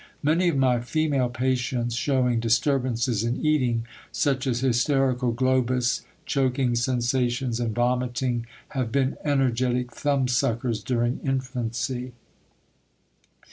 Many of my female patients showing disturbances in eating, such as hysterical globus, choking sensations, and vomiting, have been energetic thumbsuckers during infancy.